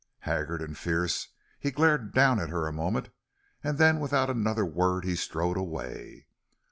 Haggard and fierce, he glared down at her a moment, and then without another word he strode away.